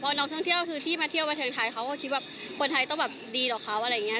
เพราะน้องท่องเที่ยวที่มาเที่ยวประเทศไทยเขาคิดว่าคนไทยต้องดีเหรอเขาอะไรอย่างนี้